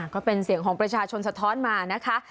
ก็เป็นเสียงของประชาชนสะท้อนมานะคะ